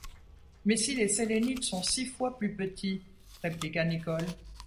Mais si les Sélénites sont six fois plus petits? répliqua Nicholl.